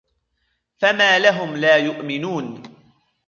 فَمَا لَهُمْ لَا يُؤْمِنُونَ